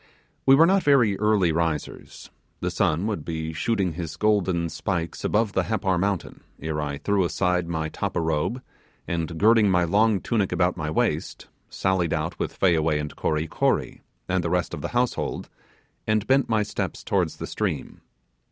We were not very early risers the sun would be shooting his golden spikes above the Happar mountain, ere I threw aside my tappa robe, and girding my long tunic about my waist, sallied out with Fayaway and Kory Kory, and the rest of the household, and bent my steps towards the stream.